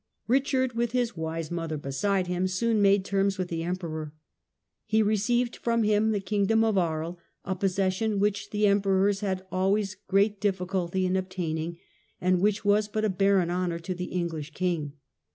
Richard, with his wise mother beside him, soon made terms with the emperor. He received from him the kingdom of Aries, a possession which the emperors had always great difficulty in obtaining, and which was but a barren honour to the English king.